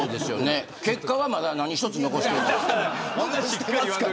結果はまだ何一つ残せていない。